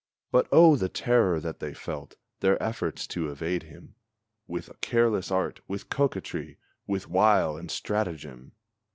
But, oh, the terror that they felt, their efforts to evade him, With careless art, with coquetry, with wile and stratagem!